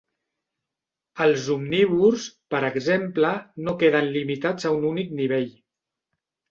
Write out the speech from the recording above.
Els omnívors, per exemple, no queden limitats a un únic nivell.